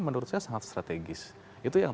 menurut saya sangat strategis itu yang